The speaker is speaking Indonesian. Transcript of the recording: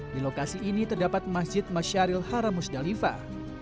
di lokasi ini terdapat masjid masyaril haram musdalifah